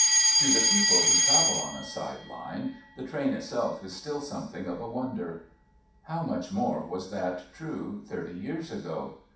To the people who travel on a side line, the train itself is still something of a wonder. How much more was that true thirty years ago.